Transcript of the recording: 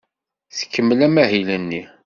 Tkemmel amahil-nni.